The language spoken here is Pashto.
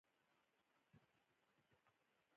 د تاوان ورکولو اعلان شوی